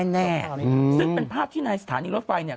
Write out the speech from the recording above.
แน่ซึ่งเป็นภาพที่ในสถานีรถไฟเนี่ย